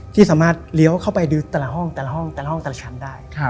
ที่สามารถเลี้ยวเข้าไปดูแต่ละห้องแต่ละห้องแต่ละห้องแต่ละชั้นได้